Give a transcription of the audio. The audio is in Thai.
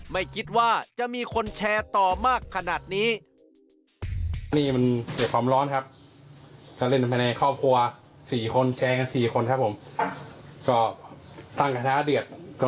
ไม่คิดว่าจะมีคนแชร์ต่อมากขนาดนี้